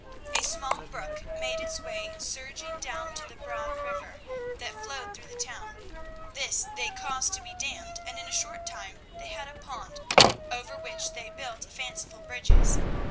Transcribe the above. A small brook made its way surging down to the broad river that flowed through the town; this they caused to be dammed, and in a short time they had a pond, over which they built fanciful bridges.